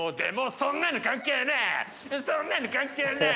そんなの関係ねぇ！